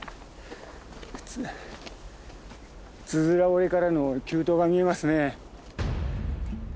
つづら折りからの急登が見えますね。